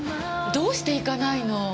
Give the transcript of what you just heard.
どうして行かないの？